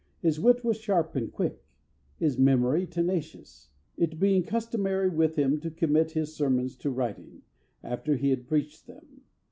His wit was sharp and quick; his memory tenacious; it being customary with him to commit his sermons to writing, after he had preached them.